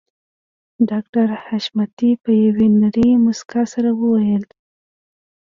ډاکټر حشمتي په يوې نرۍ مسکا سره وويل